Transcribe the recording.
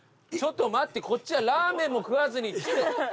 ちょっと待ってこっちはラーメンも食わずに。